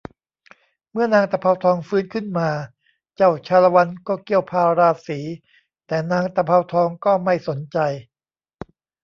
เมื่อนางตะเภาทองฟื้นขึ้นมาเจ้าชาละวันก็เกี้ยวพาราสี แต่นางตะเภาทองก็ไม่สนใจ